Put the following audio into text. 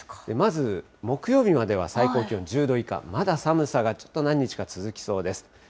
まず木曜日までは最高気温１０度以下、まだ寒さがちょっと何日か続きそうです。